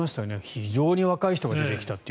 非常に若い人が出てきたと。